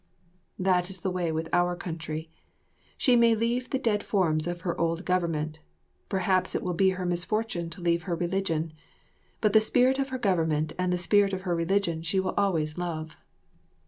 That is the way with our country. She may leave the dead forms of her old government, perhaps it will be her misfortune to leave her religion, but the spirit of her government and the spirit of her religion she will always love.